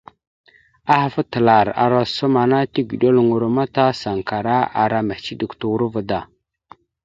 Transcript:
Ahaf atəlar ara osom ana tigeɗoloŋoro ma ta sankara ara mehəciɗek turova da.